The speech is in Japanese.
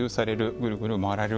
ぐるぐる回れる